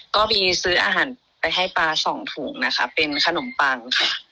ก็ไปซื้ออาหารไปให้ปลา๒ถุงเป็นขนมปัง